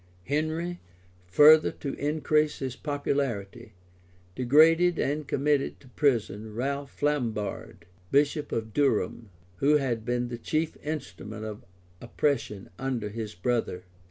Henry, further to increase his popularity, degraded and committed to prison Ralph Flambard, bishop of Durham, who had been the chief instrument of oppression under his brother.